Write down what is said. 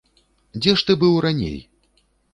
Дзе ж ты быў раней?